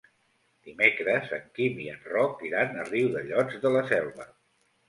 Dimecres en Quim i en Roc iran a Riudellots de la Selva.